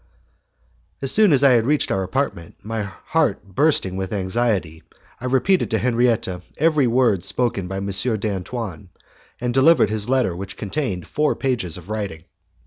As soon as I had reached our apartment, my heart bursting with anxiety, I repeated to Henriette every word spoken by M. d'Antoine, and delivered his letter which contained four pages of writing.